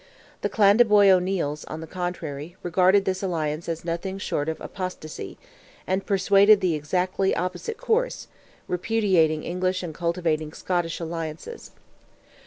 The Clandeboy O'Neils, on the contrary, regarded this alliance as nothing short of apostasy, and pursued the exactly opposite course, repudiating English and cultivating Scottish alliances.